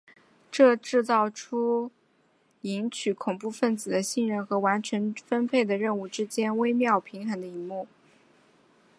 这制造出在赢取恐怖份子的信任和完成分配的任务之间微妙平衡的一幕。